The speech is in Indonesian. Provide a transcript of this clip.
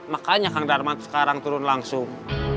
makanya kang darman sekarang turun langsung